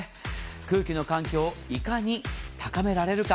空気の環境をいかに高められるか。